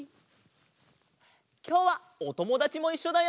きょうはおともだちもいっしょだよ！